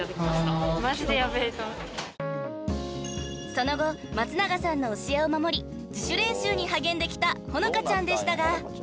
［その後松永さんの教えを守り自主練習に励んできた歩和ちゃんでしたが］